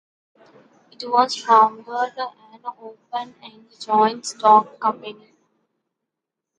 It was founded as an open-end joint stock company.